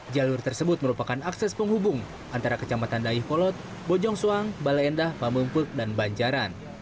jalur tersebut merupakan akses penghubung antara kecamatan dayuh kolot bojong soang balai endah pamumput dan banjaran